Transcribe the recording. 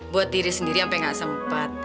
buat diri sendiri sampai gak sempat